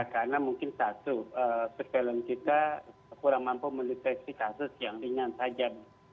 karena mungkin satu perkelembagaan kita kurang mampu meneteksi kasus yang ringan saja